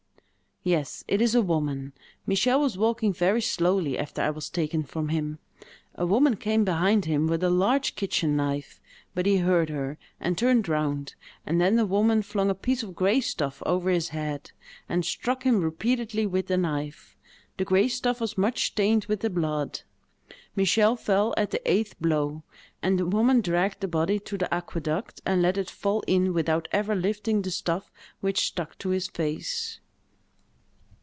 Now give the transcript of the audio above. "Yes—it is a woman. Michel was walking very slowly, after I was taken from him. A woman came behind him with a large kitchen knife; but he heard her, and turned round: and then the woman flung a piece of gray stuff over his head, and struck him repeatedly with the knife; the gray stuff was much stained with the blood. Michel fell at the eighth blow, and the woman dragged the body to the aqueduct and let it fall in without ever lifting the stuff which stuck to his face."